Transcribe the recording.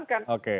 kita nggak usah